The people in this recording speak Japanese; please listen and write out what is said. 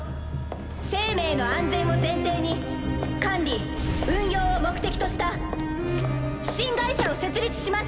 生命の安全を前提に管理運用を目的とした新会社を設立します。